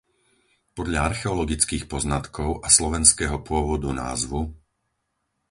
Podľa archeologických poznatkov a slovenského pôvodu názvu